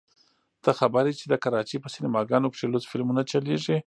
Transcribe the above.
ته خبر يې چې د کراچۍ په سينما ګانو کښې لوڅ فلمونه چلېږي.